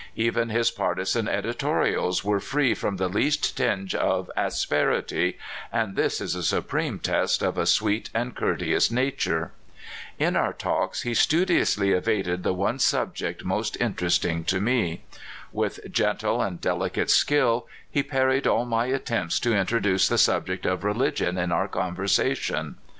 Even his partisan editorials were free from the least tinge of asperity — and this is a supreme test of a sweet and courteous nature. In our talks he studiously evaded the one subject most interesting to me. With gentle and delicate skill he parried all my attempts to introduce the subject of religion in our conversation.